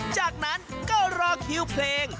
จากนั้นก็รอคิวเพลง